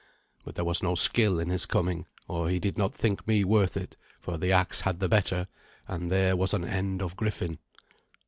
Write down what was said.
But there was no skill in his coming, or he did not think me worth it, for the axe had the better, and there was an end of Griffin.